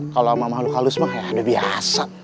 kalau sama mahluk halus mah ya udah biasa